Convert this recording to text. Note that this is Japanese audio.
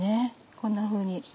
こんなふうに。